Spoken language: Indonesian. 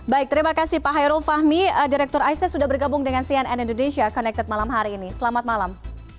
baik terima kasih pak hairul fahmi direktur ise sudah bergabung dengan cnn indonesia connected malam hari ini selamat malam